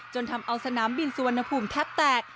ทำเอาสนามบินสุวรรณภูมิแทบแตก